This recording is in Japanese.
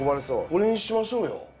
これにしましょうよ。